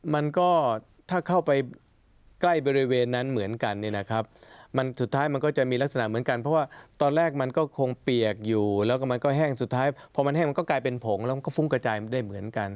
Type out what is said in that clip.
มันก็ถ้าเข้าไปใกล้บริเวณนั้นเหมือนกันเนี่ยนะครับมันสุดท้ายมันก็จะมีลักษณะเหมือนกันเพราะว่าตอนแรกมันก็คงเปียกอยู่แล้วก็มันก็แห้งสุดท้ายพอมันแห้งมันก็กลายเป็นผงแล้วมันก็ฟุ้งกระจายได้เหมือนกัน